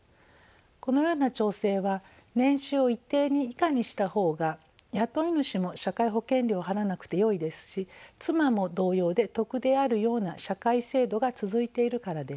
このような調整は年収を一定以下にした方が雇い主も社会保険料を払わなくてよいですし妻も同様で得であるような社会制度が続いているからです。